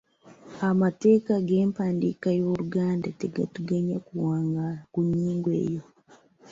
Amateeka g’empandiika y’oluganda tegatuganya kuwangaala ku nnyingo eyo.